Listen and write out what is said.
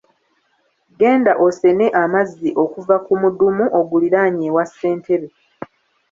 Genda osene amazzi okuva ku mudumu oguliraanye ewa ssentebe.